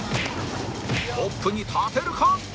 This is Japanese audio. トップに立てるか？